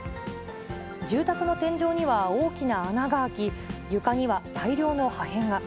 住宅の天井には大きな穴が開き、床には大量の破片が。